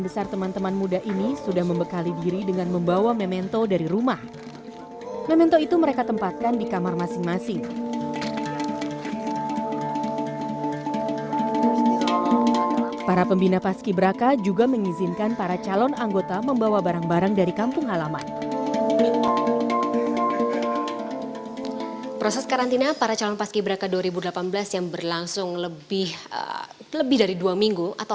padahal keturunan maksudnya nggak ada niatan kayak gitu